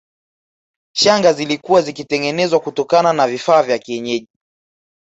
Shanga zilikuwa zikitengenezwa kutokana na vifaa vya kienyeji